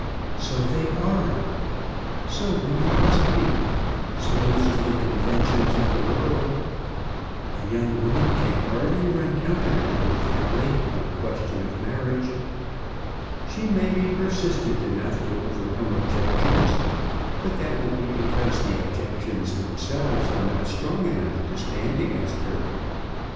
"So they are. So women must be; slaves to the conventions of the world. A young woman can hardly run counter to her family on a question of marriage. She may be persistent enough to overcome objections, but that will be because the objections themselves are not strong enough to stand against her.